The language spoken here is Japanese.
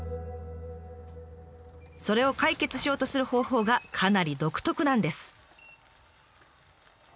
それを解決しようとする方法がかなり独特なんです。